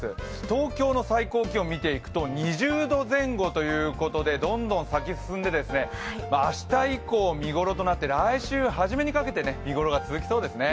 東京の最高気温、見ていくと２０度前後ということでどんどん咲き進んで明日以降見頃となって来週初めにかけて見頃が続きそうですね。